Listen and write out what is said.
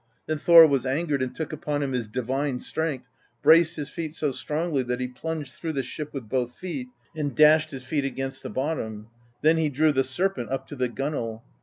Then Thor was angered, and took upon him his divine strength, braced his feet so strongly that he plunged through the ship with both feet, and dashed his feet against the bottom; then he drew the Serpent up to the gunwale.